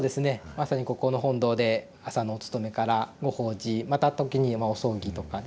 まさにここの本堂で朝のお勤めからご法事また時にお葬儀とかですね